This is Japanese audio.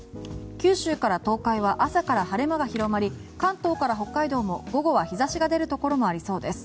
九州から東海は朝から晴れ間が広がり関東から北海道も午後は日差しが出るところもありそうです。